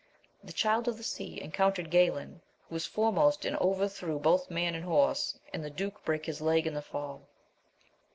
The Child of the Sea encountered Galayn, who was foremost, and overthrew both man and horse, and the duke brake his leg in the fall.